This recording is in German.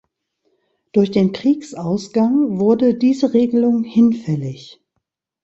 Durch den Kriegsausgang wurde diese Regelung hinfällig.